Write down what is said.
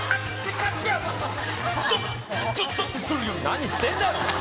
何してんだよ！